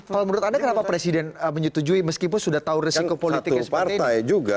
kalau menurut anda kenapa presiden menyetujui meskipun sudah tahu resiko politiknya seperti ini